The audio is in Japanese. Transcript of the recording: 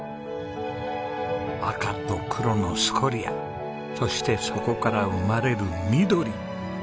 赤と黒のスコリアそしてそこから生まれる緑。